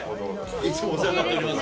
いつもお世話になっております。